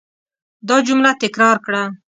دا جمله تکرار کړه.